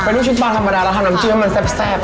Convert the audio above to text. เป็นลูกชิ้นปลาธรรมดาเราทำน้ำจิ้มให้มันแซ่บ